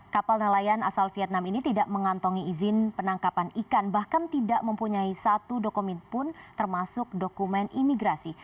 kapal nelayan asal vietnam ini tidak mengantongi izin penangkapan ikan bahkan tidak mempunyai satu dokumen pun termasuk dokumen imigrasi